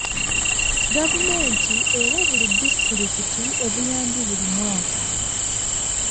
Gavumenti ewa buli disitulikiti obuyambi buli mwaka.